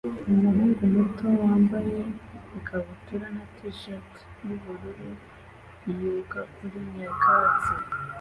Umuhungu muto wambaye ikabutura na t-shirt yubururu yiruka kuri nyakatsi